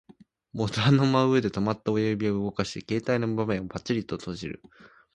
ボタンの真上で止まった親指を動かし、携帯の画面をパタリと閉じる